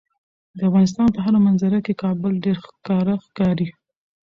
د افغانستان په هره منظره کې کابل ډیر ښکاره ښکاري.